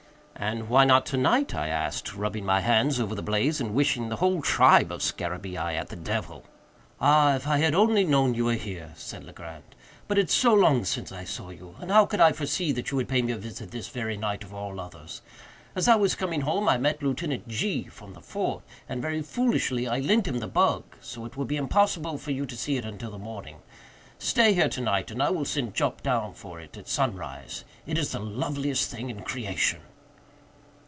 "And why not to night?" I asked, rubbing my hands over the blaze, and wishing the whole tribe of scarabæi at the devil. "Ah, if I had only known you were here!" said Legrand, "but it's so long since I saw you; and how could I foresee that you would pay me a visit this very night of all others? As I was coming home I met Lieutenant G——, from the fort, and, very foolishly, I lent him the bug; so it will be impossible for you to see it until the morning. Stay here to night, and I will send Jup down for it at sunrise. It is the loveliest thing in creation!"